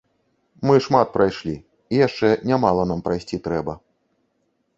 Мы шмат прайшлі, і яшчэ нямала нам прайсці трэба.